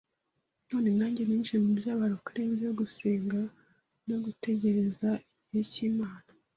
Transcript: none nanjye ninjiye muby’abarokore byo gusenga no gutegereza igihe cy’Imana